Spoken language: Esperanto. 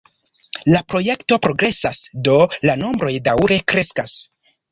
La projekto progresas, do la nombroj daŭre kreskas.